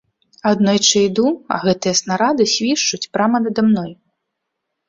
Аднойчы іду, а гэтыя снарады свішчуць прама нада мной.